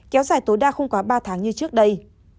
kéo dài tối đa không quá ba tháng như trước đây